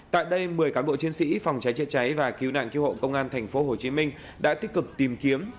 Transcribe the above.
tại đây một mươi cán bộ chiến sĩ phòng trái trị trái và cứu nạn cứu hộ công an thành phố hồ chí minh đã tích cực tìm kiếm